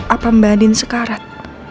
apa mbak adin sekarat